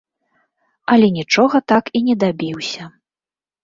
Але нічога так і не дабіўся.